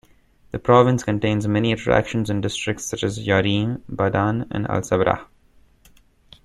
The province contains many attractions in districts such as Yareem, Ba'dan and Al-Sabrah.